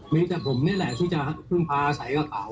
มีแต่ผมนี่แหละที่จะพึ่งพาอาศัยกับเขา